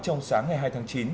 trong sáng ngày hai tháng chín